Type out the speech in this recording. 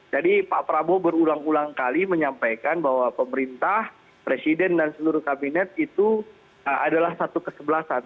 jadi pak prabowo berulang ulang kali menyampaikan bahwa pemerintah presiden dan seluruh kabinet itu adalah satu kesebelasan